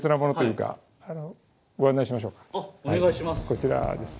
こちらです。